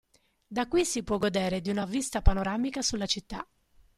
Da qui si può godere di una vista panoramica sulla città.